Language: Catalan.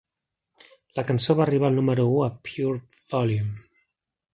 La cançó va arribar al número u a Pure Volume.